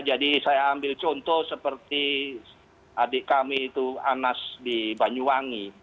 jadi saya ambil contoh seperti adik kami itu anas di banyuwangi